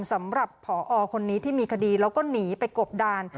สำหรับผอคนนี้ที่มีคดีแล้วก็หนีไปกบดาน